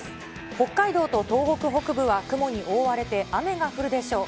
北海道と東北北部は雲に覆われて、雨が降るでしょう。